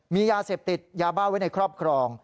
มียาเสพติดยาบ้าไว้ในครอบครอง